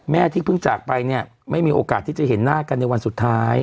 ที่เพิ่งจากไปเนี่ยไม่มีโอกาสที่จะเห็นหน้ากันในวันสุดท้าย